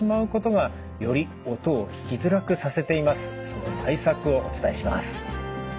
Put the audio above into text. その対策をお伝えします。